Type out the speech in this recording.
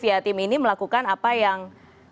via tim ini melakukan apa yang